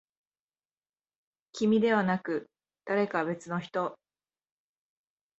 君ではなく、誰か別の人。